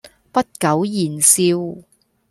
不苟言笑